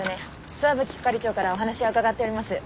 石蕗係長からお話は伺っております。